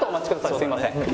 すいません。